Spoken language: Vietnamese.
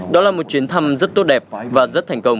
đó là một chuyến thăm rất tốt đẹp và rất thành công